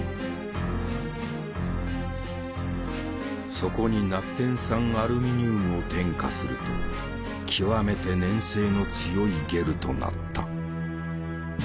そこにナフテン酸アルミニウムを添加すると極めて粘性の強いゲルとなった。